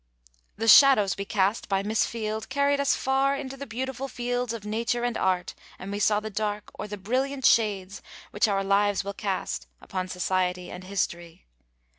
The 'Shadows We Cast,' by Miss Field, carried us far into the beautiful fields of nature and art and we saw the dark, or the brilliant shades, which our lives will cast, upon society and history.